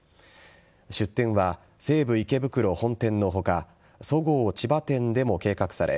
出店は西武池袋本店の他そごう千葉店でも計画され